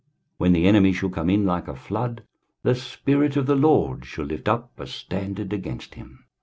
When the enemy shall come in like a flood, the Spirit of the LORD shall lift up a standard against him.